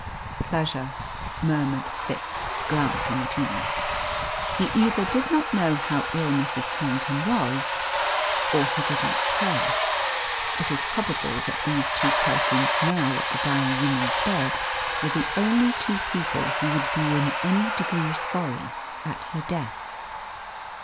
"Pleasure," murmured Fitz, glancing at Eve. He either did not know how ill Mrs Harrington was, or he did not care. It is probable that these two persons now at the dying woman's bed were the only two people who would be in any degree sorry at her death.